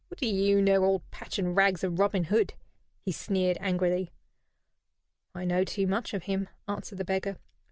"What do you know, old Patch and Rags, of Robin Hood?" he sneered, angrily. "I know too much of him," answered the beggar.